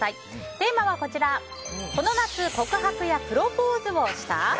テーマはこの夏、告白やプロポーズをした？